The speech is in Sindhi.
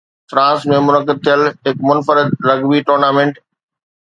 فرانس ۾ منعقد ٿيل هڪ منفرد رگبي ٽورنامينٽ